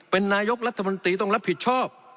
เป็นนายกรัฐมนตรีต้องรับผิดชอบ